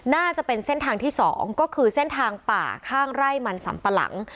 น่าจะเป็นเส้นทางที่๒ก็คือเส้นทางป่าข้างไร่มันสัมปะหลัง